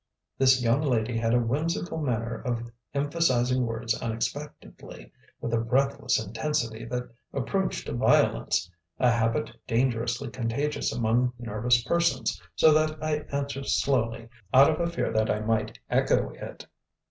This young lady had a whimsical manner of emphasising words unexpectedly, with a breathless intensity that approached violence, a habit dangerously contagious among nervous persons, so that I answered slowly, out of a fear that I might echo it.